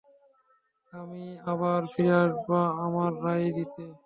আমি আবার ফিরে আসব আমার রায় দিতে।